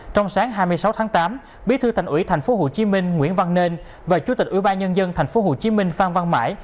trong sáng hai mươi sáu tháng tám bí thư thành ủy tp hcm nguyễn văn nên và chủ tịch ủy ban nhân dân tp hcm phan văn mãi